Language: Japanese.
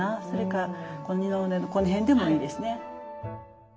それから二の腕のこの辺でもいいですね。